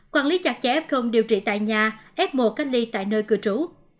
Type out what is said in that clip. quản lý chặt chẽ không điều trị tại nhà ép mùa cách ly tại nơi cư trú